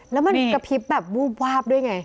แล้วมันกระพริบแบบวูบวาบด้วยไง